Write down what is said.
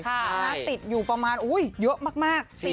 คังติดอยู่ประมาณอุ้ยเยอะมาก